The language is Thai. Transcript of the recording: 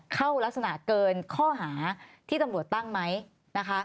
ลักษณะเกินข้อหาที่ตำรวจตั้งไหมนะคะ